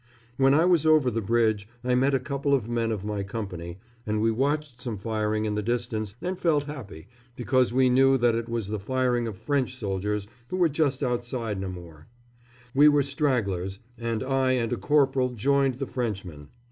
When I was over the bridge I met a couple of men of my company, and we watched some firing in the distance and felt happy, because we knew that it was the firing of French soldiers, who were just outside Namur. We were stragglers, and I and a corporal joined the Frenchmen.